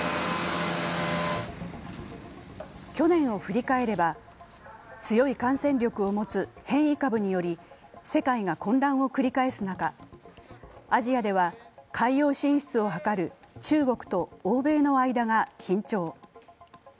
去年を振り返れば、強い感染力を持つ変異株により世界が混乱を繰り返す中、アジアでは海洋進出を図る中国と欧米の間が緊張。